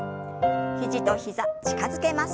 肘と膝近づけます。